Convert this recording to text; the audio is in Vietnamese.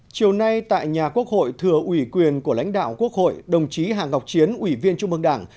chiều nay tại nhà quốc hội thừa ủy quyền của lãnh đạo quốc hội đồng chí hà ngọc chiến ủy viên trung mương đảng